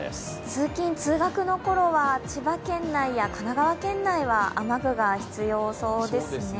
通勤・通学のころは千葉県内や神奈川県内は雨具が必要そうですね。